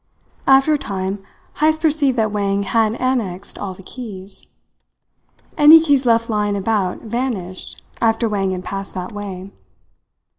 After a time Heyst perceived that Wang had annexed all the keys. Any keys left lying about vanished after Wang had passed that way.